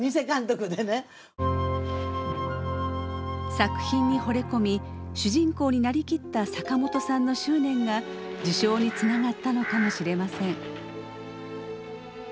作品に惚れ込み主人公になりきった坂本さんの執念が受賞につながったのかもしれません。